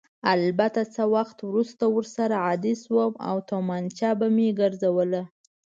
البته څه وخت وروسته ورسره عادي شوم او تومانچه به مې ګرځوله.